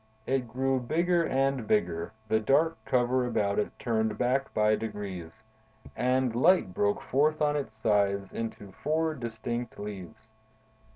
It grew bigger and bigger, the dark cover about it turned back by degrees, and light broke forth on its sides into four distinct leaves.